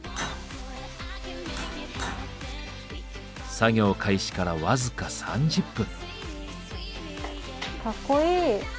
作業開始から僅か３０分。